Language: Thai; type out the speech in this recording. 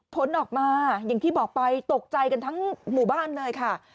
ผลออกมาอย่างที่บอกไปตกใจกันทั้งหมู่บ้านเลยค่ะ